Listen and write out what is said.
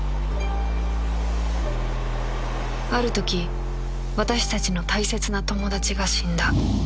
ある時私たちの大切な友達が死んだ